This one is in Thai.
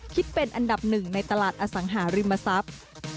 คิดเป็นอันดับหนึ่งในตลาดอสังหาริมทรัพย์